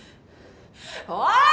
おい！